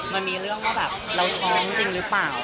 มันมีเรื่องว่าแบบเราท้องจริงหรือเปล่า